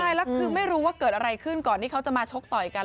ใช่แล้วคือไม่รู้ว่าเกิดอะไรขึ้นก่อนที่เขาจะมาชกต่อยกัน